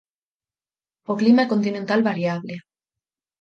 O clima é continental variable.